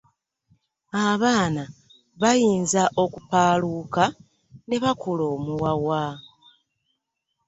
Abaana bayinza okupaaluuka ne bakula omuwawa.